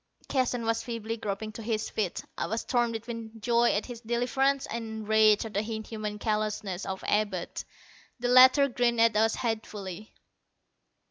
Keston was feebly groping to his feet. I was torn between joy at his deliverance and rage at the inhuman callousness of Abud. The latter grinned at us hatefully.